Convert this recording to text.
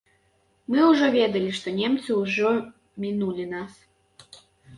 Мы ўжо ведалі, што немцы ўжо мінулі нас.